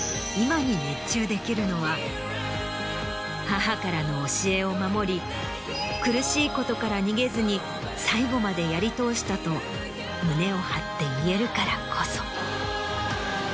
母からの教えを守り苦しいことから逃げずに最後までやり通したと胸を張って言えるからこそ。